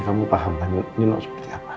kamu paham nyenok seperti apa